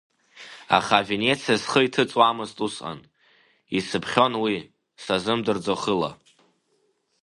Аха Венециа схы иҭыҵуамызт усҟан, исыԥхьон уи, сазымдырӡо хыла…